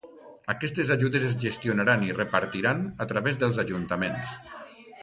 Aquestes ajudes es gestionaran i repartiran a través dels ajuntaments.